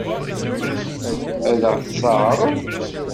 Ad ɣ-tt-teɛṛeḍ?